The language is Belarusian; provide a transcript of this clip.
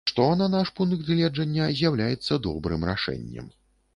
Што, на наш пункт гледжання, з'яўляецца добрым рашэннем.